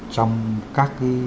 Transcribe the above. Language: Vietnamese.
trong các cái